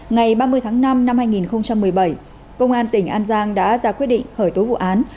ngày ba mươi tháng năm năm hai nghìn một mươi bảy công an tỉnh an giang đã ra quyết định hởi tố vụ án